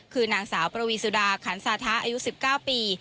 คือนางสาวประวีสุดาขันสาธะอายุ๑๙ปี